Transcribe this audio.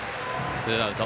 ツーアウト。